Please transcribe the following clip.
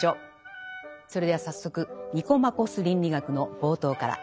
それでは早速「ニコマコス倫理学」の冒頭から。